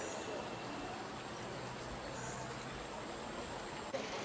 สวัสดีครับสวัสดีครับ